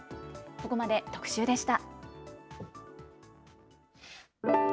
ここまで特集でした。